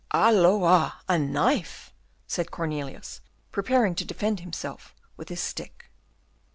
"Halloa! a knife?" said Cornelius, preparing to defend himself with his stick.